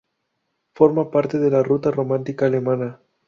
Forma parte de la ruta romántica alemana.